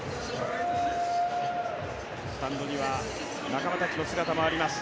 スタンドには仲間たちの姿もあります。